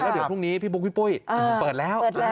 เดี๋ยวพรุ่งนี้พี่บุ๊คพี่ปุ้ยเปิดแล้ว